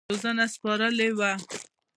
روزنه سپارلې وه.